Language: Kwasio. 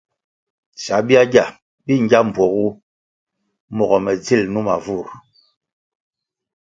Sabyagya bi ngya mbpuogu mogo me dzil numa vur.